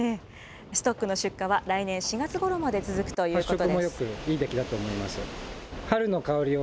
ストックの出荷は来年４月ごろまで続くということです。